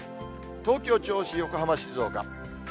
東京、銚子、横浜、静岡。